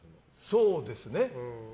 そうですね。